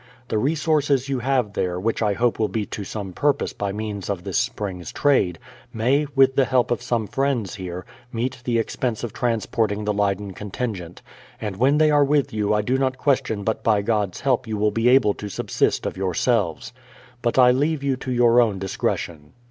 The resources you have there, which I hope will be to some purpose by means of this spring's trade, may, with the help of some friends here, meet the expense of transporting the Leyden contingent, and when they are with you I do not question but by God's help you will be able to subsist of yourselves. But I leave you to your own discretion.